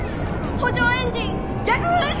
補助エンジン逆噴射！